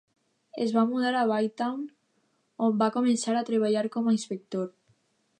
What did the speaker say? Es va mudar a Bytown, on va començar a treballar com a inspector.